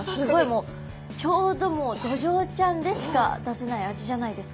もうちょうどもうドジョウちゃんでしか出せない味じゃないですか。